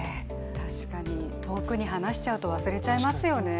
確かに、遠くにはなしちゃうと忘れちゃいますよね。